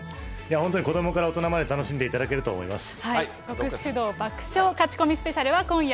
本当に、子どもから大人まで楽しんでいただけると思います。